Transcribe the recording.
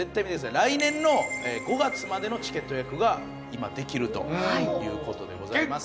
来年の５月までのチケット予約が今できるということでございます